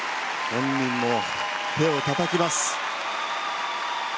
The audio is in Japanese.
本人も手をたたきます。